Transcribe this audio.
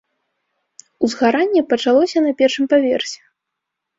Узгаранне пачалося на першым паверсе.